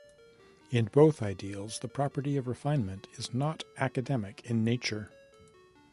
In both ideals, the property of refinement is not academic in nature.